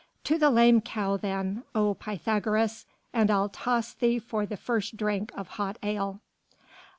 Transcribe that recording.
"To the 'Lame Cow,' then, O Pythagoras, and I'll toss thee for the first drink of hot ale."